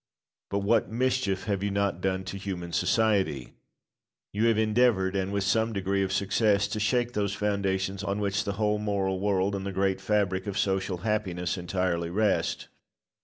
But what mischief have you not done to human society! You have endeavoured, and with some degree of success, to shake those foundations on which the whole moral world and the great fabric of social happiness entirely rest.